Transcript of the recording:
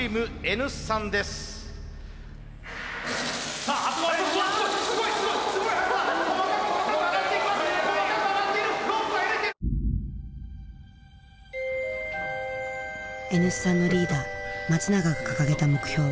Ｎ産のリーダー松永が掲げた目標は。